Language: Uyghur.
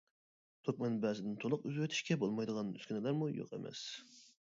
توك مەنبەسىدىن تولۇق ئۈزۈۋېتىشكە بولمايدىغان ئۈسكۈنىلەرمۇ يوق ئەمەس.